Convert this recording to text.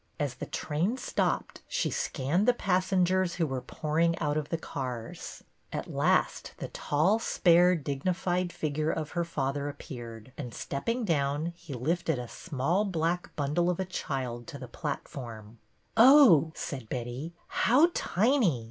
As the train stopped, she scanned the passengers who were pouring out of the cars. At last the tall, spare, dignified figure of her father appeared, and stepping down he lifted a small black bundle of a child to the platform. " Oh !'' said Betty. How tiny